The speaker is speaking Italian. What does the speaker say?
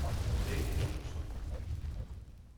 Dave Johnson